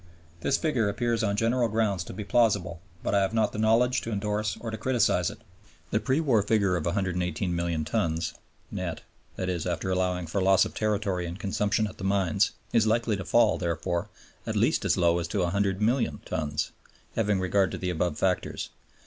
This figure appears on general grounds to be plausible, but I have not the knowledge to endorse or to criticize it. The pre war figure of 118,000,000 tons net (i.e. after allowing for loss of territory and consumption at the mines) is likely to fall, therefore, at least as low as to 100,000,000 tons, having regard to the above factors.